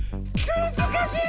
むずかしい。